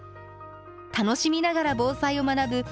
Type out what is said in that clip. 楽しみながら防災を学ぶ